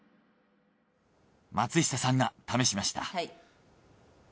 松下さんが試しました。